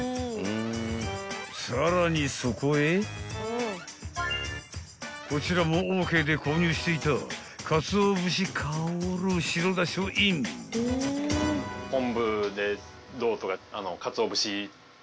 ［さらにそこへこちらもオーケーで購入していたかつお節香る白だしをイン］